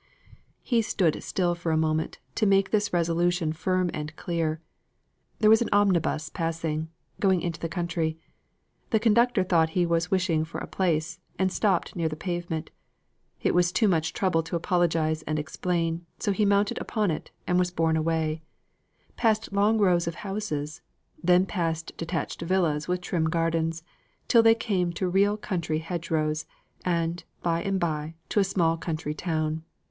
He stood still for a moment, to make this resolution firm and clear. There was an omnibus passing going into the country; the conductor thought he was wishing for a place, and stopped near the pavement. It was too much trouble to apologise and explain; so he mounted upon it, and was borne away past long rows of houses then past detached villas with trim gardens, till they came to real country hedge rows, and, by and by, to a small country town.